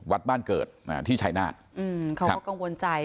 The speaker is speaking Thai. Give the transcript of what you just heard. บ้านเกิดอ่าที่ชายนาฏอืมเขาก็กังวลใจ